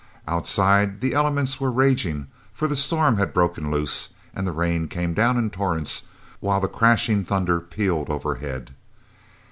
Outside, the elements were raging, for the storm had broken loose, and the rain came down in torrents, while the crashing thunder pealed overhead.